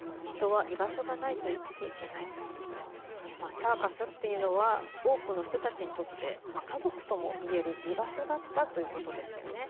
サーカスっていうのは多くの人たちにとって家族ともいえる居場所だったということですよね。